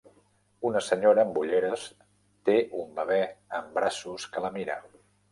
Una senyora amb ulleres té un bebè en braços que la mira.